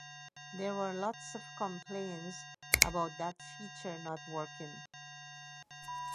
There were lots of complaints about that feature not working.